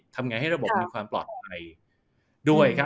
ทำไงให้ระบบมีความปลอดภัยด้วยครับ